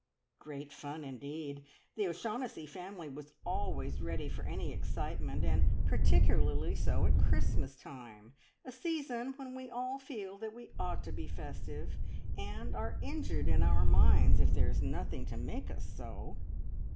Great fun indeed! The O'Shaughnessy family was always ready for any excitement, and particularly so at Christmas time, a season when we all feel that we ought to be festive, and are injured in our minds if there is nothing to make us so.